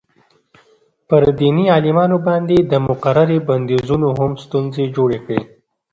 پر دیني عالمانو باندې د مقررې بندیزونو هم ستونزې جوړې کړې.